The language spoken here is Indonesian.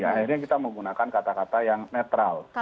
akhirnya kita menggunakan kata kata yang netral